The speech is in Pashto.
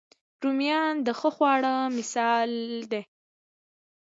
رومیان د ښه خواړه مثال دي